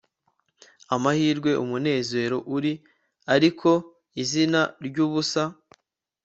amahirwe, umunezero, uri ariko izina ryubusa